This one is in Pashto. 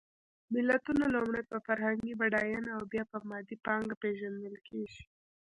ملتونه لومړی په فرهنګي بډایېنه او بیا په مادي پانګه پېژندل کېږي.